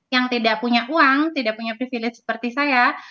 yang tidak punya uang tidak punya privilege seperti saya